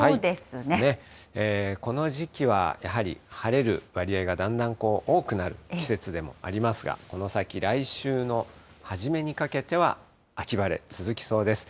この時期はやはり、晴れる割合がだんだん多くなる季節でもありますが、この先、来週の初めにかけては秋晴れ、続きそうです。